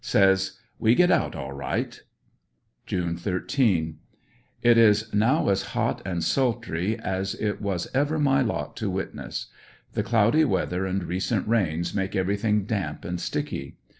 Says: "We get out all right!" June 13 — It is now as hot and sultry as it was ever my lot to witness. The cloudy weather and recent rains make every thing damp and sticky.